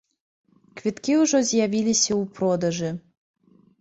Квіткі ўжо з'явіліся ў продажы.